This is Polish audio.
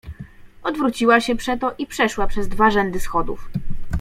Odwróciła się przeto i przeszła przez dwa rzędy schodów.